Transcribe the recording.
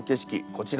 こちら。